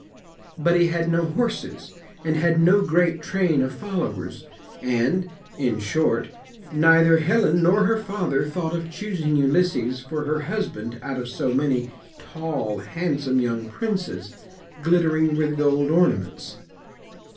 But he had no horses, and had no great train of followers; and, in short, neither Helen nor her father thought of choosing Ulysses for her husband out of so many tall, handsome young princes, glittering with gold ornaments.